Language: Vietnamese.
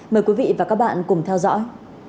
mời quý vị và các bạn cùng theo dõi